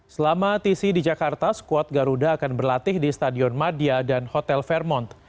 selama tisi di jakarta skuad garuda akan berlatih di stadion madia dan hotel fairmont